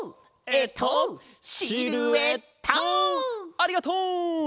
ありがとう！